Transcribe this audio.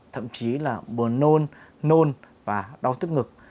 thậm chí là buồn nôn nôn và đau tức ngực